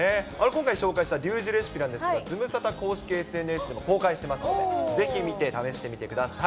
今回紹介したリュウジレシピなんですが、ズムサタ公式ＳＮＳでも紹介していますので、ぜひ見て試してみてください。